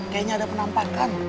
kayaknya ada penampakan